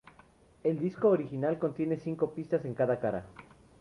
El disco original contiene cinco pistas en cada cara.